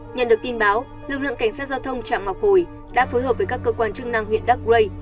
nhận được tin báo lực lượng cảnh sát giao thông trạm ngọc hồi đã phối hợp với các cơ quan chức năng huyện dark ray